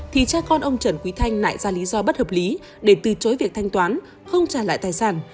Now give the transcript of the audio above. thì cha con ông trần quý thanh nại ra lý do bất hợp lý để từ chối việc thanh toán không trả lại tài sản